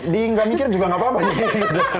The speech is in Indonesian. di nggak mikir juga nggak apa apa sih